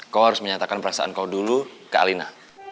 kau harus menyatakan perasaan kau dulu ke alina